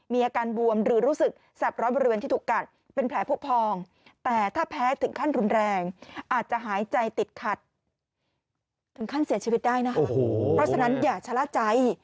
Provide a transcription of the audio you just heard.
ไม่ได้นะคะเพราะฉะนั้นอย่าชะละใจ